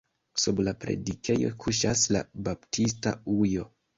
Sub la predikejo kuŝas la baptista ujo.